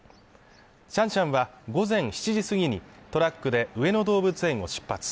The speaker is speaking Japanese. シャンシャンは午前７時過ぎにトラックで、上野動物園を出発。